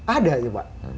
ada ya pak